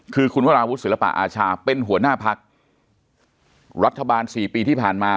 คือคุณวราวุฒิศิลปะอาชาเป็นหัวหน้าพักรัฐบาลสี่ปีที่ผ่านมา